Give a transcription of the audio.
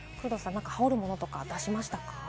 羽織るものとか出しましたか？